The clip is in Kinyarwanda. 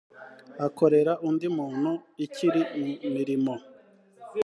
akorere undi muntu ikiri mu mirimo